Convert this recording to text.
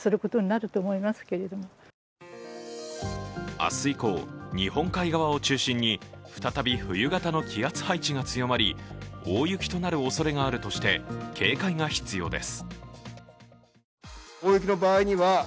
明日以降、日本海側を中心に、再び冬型の気圧配置が強まり大雪となるおそれがあるとして警戒が必要です。